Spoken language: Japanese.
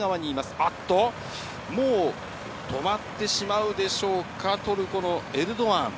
あっと、もう止まってしまうでしょうか、トルコのエルドアン。